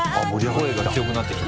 声が強くなってきた。